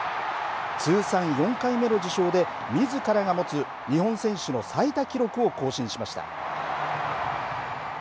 通算４回目の受賞でみずからが持つ日本選手の最多記録を更新しました。